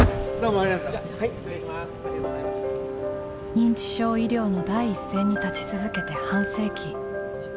認知症医療の第一線に立ち続けて半世紀。